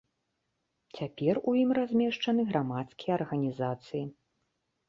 Цяпер у ім размешчаны грамадскія арганізацыі.